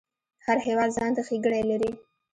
هر هیواد ځانته ښیګڼی لري